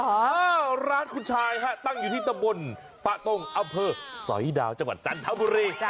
อ้าวร้านคุณชายฮะตั้งอยู่ที่ตำบลปะตงอำเภอสอยดาวจังหวัดจันทบุรี